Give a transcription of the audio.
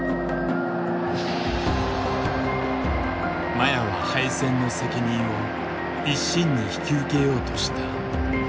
麻也は敗戦の責任を一身に引き受けようとした。